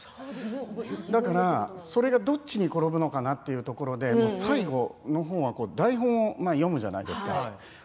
だからそれがどっちに転ぶのかなっていうところで最後のところで台本を読むじゃないですか。